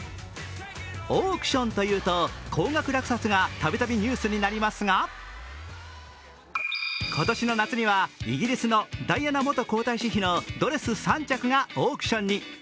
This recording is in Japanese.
オークションというと高額落札がたびたびニュースになりますが今年の夏には、イギリスのダイアナ元皇太子妃のドレス３着がオークションに。